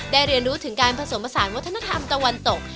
เรียนรู้ถึงการผสมผสานวัฒนธรรมตะวันตก